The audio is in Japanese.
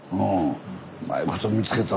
うまいこと見つけた？